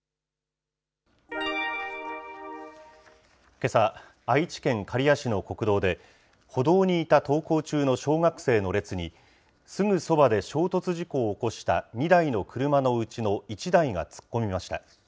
けさ、愛知県刈谷市の国道で、歩道にいた登校中の小学生の列に、すぐそばで衝突事故を起こした２台の車のうちの１台が突っ込みました。